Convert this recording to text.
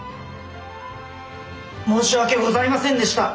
申し訳ございませんでした。